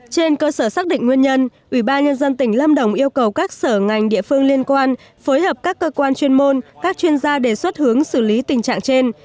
trên cơ sở xác định nguyên nhân ubnd tỉnh lâm đồng yêu cầu các sở ngành địa phương liên quan phối hợp các cơ quan chuyên môn các chuyên gia đề xuất hướng xử lý tình trạng trên